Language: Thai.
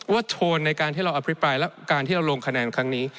โทนในการที่เราอภิปรายแล้วการที่เราลงคะแนนครั้งนี้